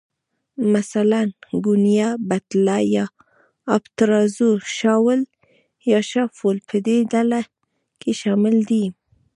مثلاً، ګونیا، بتله یا آبترازو، شاول یا شافول په دې ډله کې شامل دي.